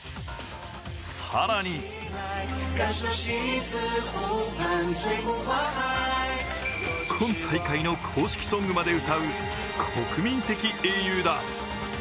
更に今大会の公式ソングまで歌う国民的英雄だ。